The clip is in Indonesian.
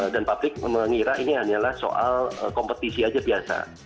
dan publik mengira ini hanyalah soal kompetisi aja biasa